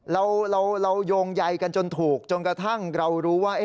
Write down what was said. เราโยงใยกันจนถูกจนกระทั่งเรารู้ว่า